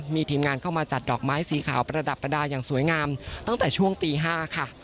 มีทีมงานเข้ามาจัดดอกไม้สีขาวประดับประดาษอย่างสวยงามตั้งแต่ช่วงตี๕ค่ะ